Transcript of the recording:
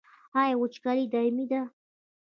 آیا وچکالي دایمي ده؟